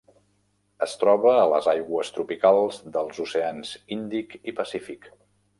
Es troba a les aigües tropicals dels oceans Índic i Pacífic.